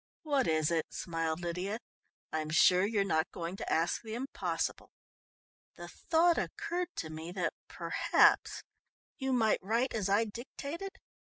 "What is it?" smiled Lydia. "I'm sure you're not going to ask the impossible." "The thought occurred to me that perhaps you might write as I dictated.